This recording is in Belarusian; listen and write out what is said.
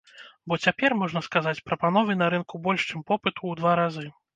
Бо цяпер, можна сказаць, прапановы на рынку больш, чым попыту, у два разы.